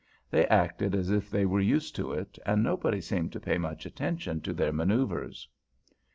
They acted as if they were used to it, and nobody seemed to pay much attention to their manoeuvres.